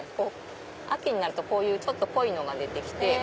秋になるとちょっと濃いのが出て来て。